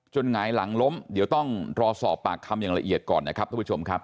หงายหลังล้มเดี๋ยวต้องรอสอบปากคำอย่างละเอียดก่อนนะครับทุกผู้ชมครับ